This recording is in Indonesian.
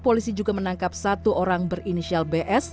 polisi juga menangkap satu orang berinisiala